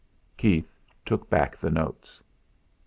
Keith took back the notes.